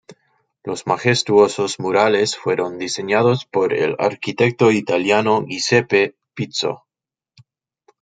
Los majestuosos murales fueron diseñados por el arquitecto italiano Giuseppe Pizzo.